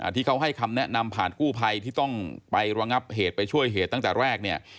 ที่เขาให้คำแนะนำผ่านกู้ภัยที่ต้องไประงับเหตุไปช่วยเหตุตั้งแต่แรกเนี่ย